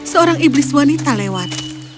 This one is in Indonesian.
seorang iblis wanita lewat